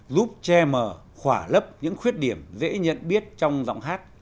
giúp che mờ khỏa lấp những khuyết điểm dễ nhận biết trong giọng hát